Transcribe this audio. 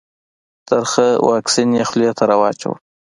ترخه واکسین یې خولې ته راواچول.